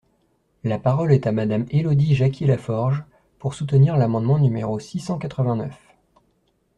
La parole est à Madame Élodie Jacquier-Laforge, pour soutenir l’amendement numéro six cent quatre-vingt-neuf.